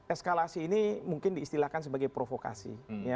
eskalasi ini mungkin diistilahkan sebagai provokasi